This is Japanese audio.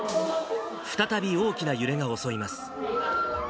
再び大きな揺れが襲います。